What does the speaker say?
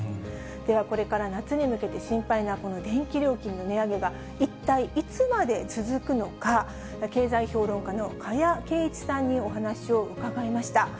ではこれから夏に向けて、心配なこの電気料金の値上げが一体いつまで続くのか、経済評論家の加谷珪一さんにお話を伺いました。